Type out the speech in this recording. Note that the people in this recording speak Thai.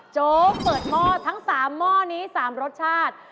โจ๊กเปิดหม้อทั้ง๓หม้อนี้๓รสชาติ